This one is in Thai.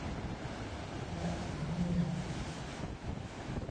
และหนังเหนี่ยว